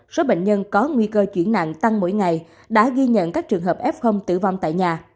số bệnh nhân có nguy cơ chuyển nặng tăng mỗi ngày đã ghi nhận các trường hợp f tử vong tại nhà